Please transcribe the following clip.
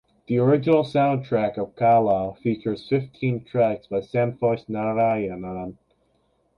The original soundtrack of "Kaala" features fifteen tracks by Santhosh Narayanan.